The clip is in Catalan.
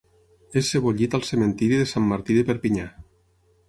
És sebollit al Cementiri de Sant Martí de Perpinyà.